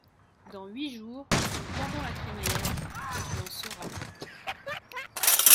Dans huit jours, nous pendons la crémaillère, tu en seras...